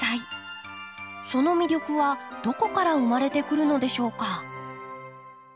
その魅力はどこから生まれてくるのでしょうか？